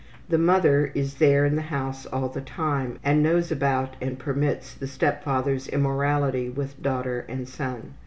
The mother is there in the house all the time and knows about and permits the step father's immorality with daughter and son.